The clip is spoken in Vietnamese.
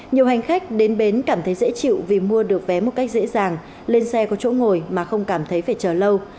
nhiều hành khách đến bến cảm thấy dễ chịu vì mua được vé một cách dễ dàng lên xe có chỗ ngồi mà không cảm thấy phải chờ lâu